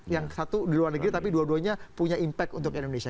yang satu di luar negeri tapi dua duanya punya impact untuk indonesia